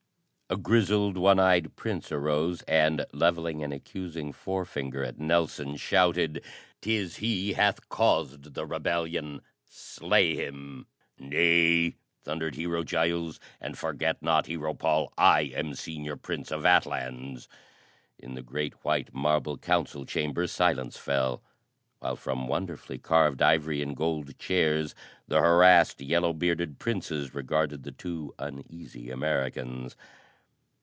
A grizzled, one eyed prince arose, and leveling an accusing forefinger at Nelson shouted, "'Tis he hath caused the rebellion. Slay him!" "Nay!" thundered the Hero Giles, "and forget not, Hero Paul I am senior Prince of Atlans!" In the great white marble council chamber silence fell, while from wonderfully carved ivory and gold chairs the harassed, yellow bearded princes regarded the two uneasy Americans.